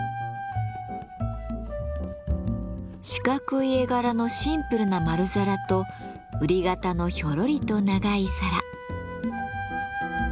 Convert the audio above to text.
四角い絵柄のシンプルな丸皿とうり形のひょろりと長い皿。